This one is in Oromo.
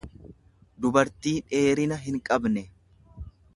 dubartii dheerina hinqabne.